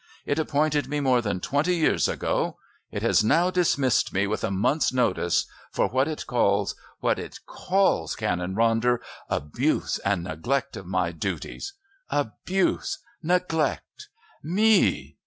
It appointed me more than twenty years ago. It has now dismissed me with a month's notice for what it calls what it calls, Canon Ronder 'abuse and neglect of my duties.' Abuse! Neglect! Me!